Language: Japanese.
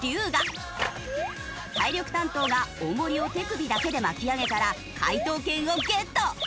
体力担当が重りを手首だけで巻き上げたら解答権をゲット！